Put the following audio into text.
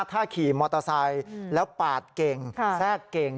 ถ้าขี่มอเตอร์ไซค์แล้วปาดเก่งแทรกเก่ง